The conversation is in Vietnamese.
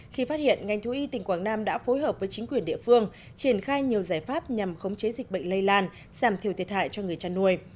khi phát hiện ngành thú y tỉnh quảng nam đã phối hợp với chính quyền địa phương triển khai nhiều giải pháp nhằm khống chế dịch bệnh lây lan giảm thiểu thiệt hại cho người chăn nuôi